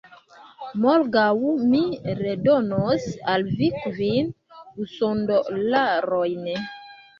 Morgaŭ mi redonos al vi kvin usondolarojn